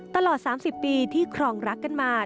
ตลอด๓๐ปีที่ครองรักกันมา